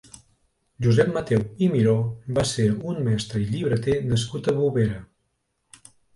Josep Mateu i Miró va ser un mestre i llibreter nascut a Bovera.